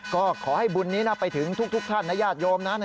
ก็ขอให้บุญนี้ไปถึงทุกท่านนะญาติโยมนะ